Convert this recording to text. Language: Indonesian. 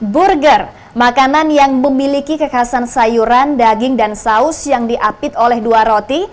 burger makanan yang memiliki kekasan sayuran daging dan saus yang diapit oleh dua roti